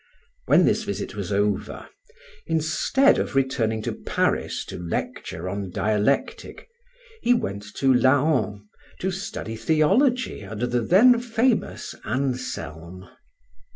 When this visit was over, instead of returning to Paris to lecture on dialectic, he went to Laon to study theology under the then famous Anselm.